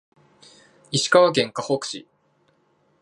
石川県かほく市